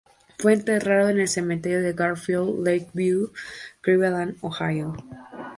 Fue enterrado en el cementerio de Garfield-Lakeview, Cleveland, Ohio.